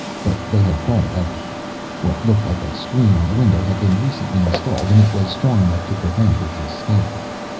But they had thought of everything. What looked like a screen on the window had been recently installed and it was strong enough to prevent his escape.